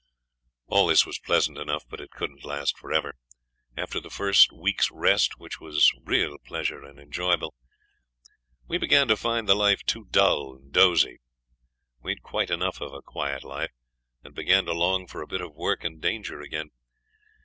All this was pleasant enough, but it couldn't last for ever. After the first week's rest, which was real pleasure and enjoyment, we began to find the life too dull and dozy. We'd had quite enough of a quiet life, and began to long for a bit of work and danger again.